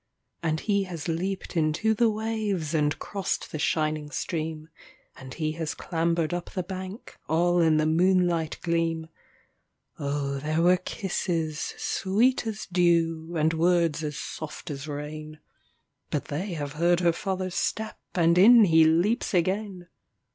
And he has leaped into the waves, and crossed the shining stream, And he has clambered up the bank, all in the moonlight gleam; Oh there were kisses sweet as dew, and words as soft as rain, But they have heard her father's step, and in he leaps again!